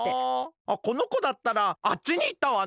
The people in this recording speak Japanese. あこのこだったらあっちにいったわね。